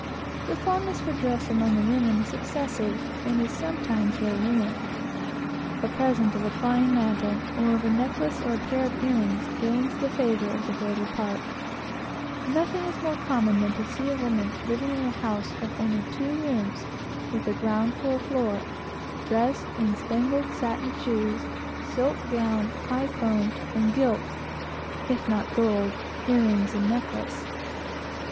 The fondness for dress among the women is excessive, and is often the ruin of many of them. A present of a fine mantle, or of a necklace or pair of ear rings, gains the favor of the greater part of them. Nothing is more common than to see a woman living in a house of only two rooms, and the ground for a floor, dressed in spangled satin shoes, silk gown, high comb, and gilt, if not gold, ear rings and necklace.